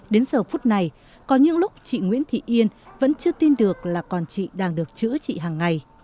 đến giờ phút này có những lúc chị nguyễn thị yên vẫn chưa tin được là con chị đang được chữa trị hàng ngày